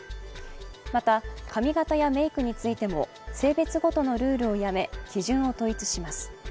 また髪形やメークについても性別ごとのルールをやめ基準を統一します。